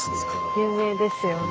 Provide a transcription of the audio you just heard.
有名ですよね。